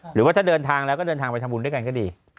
หรือว่าถ้าเดินทางแล้วก็เดินทางไปทำบุญด้วยกันก็ดี